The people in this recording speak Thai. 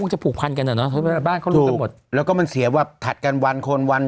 ชุดโอเคคุณพี่มักก้าวสบซ้อน